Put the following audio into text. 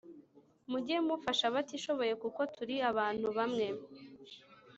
Mujye mufasha abatishobobe kuko turi abantu bamwe